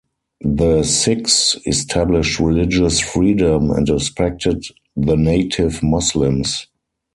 The Sikhs established religious freedom and respected the native Muslims.